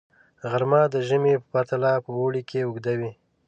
غرمه د ژمي په پرتله په اوړي کې اوږده وي